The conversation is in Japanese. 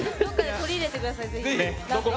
取り入れてください。